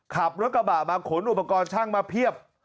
ขับรถกระบะมาขนอุปกรณ์ช่างมาเพียบ